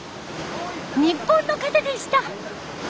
日本の方でした。